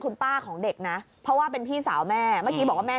คุณป้าของเด็กนะเพราะว่าเป็นพี่สาวแม่เมื่อกี้บอกว่าแม่